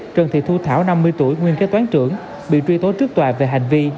trần thị thu thảo năm mươi tuổi nguyên kế toán trưởng bị truy tố trước tòa về hành vi